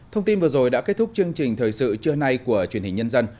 thông tin vừa rồi đã kết thúc chương trình thời sự trưa nay của truyền hình nhân dân